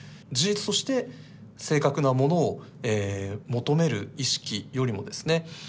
事実として正確なものを求める意識よりもですね